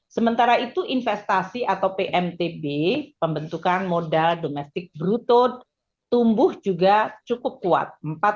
sementara itu investasi atau pmtb pembentukan modal domestik bruto tumbuh juga cukup kuat